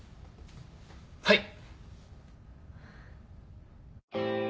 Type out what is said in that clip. はい。